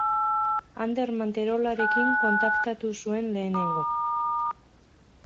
Ander Manterolarekin kontaktatu zuen lehenengo.